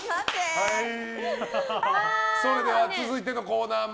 それでは、続いてのコーナー